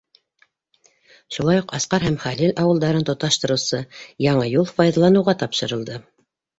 Шулай уҡ Асҡар һәм Хәлил ауылдарын тоташтырыусы яңы юл файҙаланыуға тапшырылды.